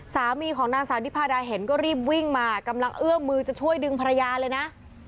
สามีของนางสาวนิพาดาเห็นก็รีบวิ่งมากำลังเอื้อมมือจะช่วยดึงภรรยาเลยนะ